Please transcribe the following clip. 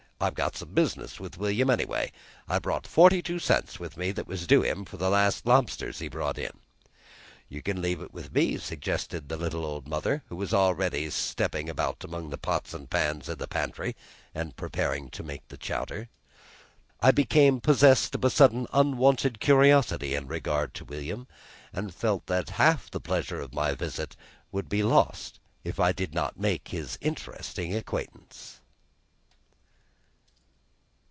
I've got some business with William, anyway. I brought forty two cents with me that was due him for them last lobsters he brought in." "You can leave it with me," suggested the little old mother, who was already stepping about among her pots and pans in the pantry, and preparing to make the chowder. I became possessed of a sudden unwonted curiosity in regard to William, and felt that half the pleasure of my visit would be lost if I could not make his interesting acquaintance.